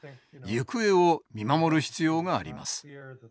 行方を見守る必要があります。